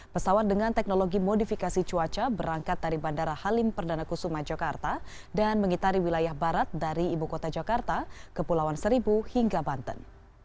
pesawat dengan teknologi modifikasi cuaca berangkat dari bandara halim perdana kusuma jakarta dan mengitari wilayah barat dari ibu kota jakarta kepulauan seribu hingga banten